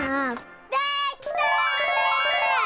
できた！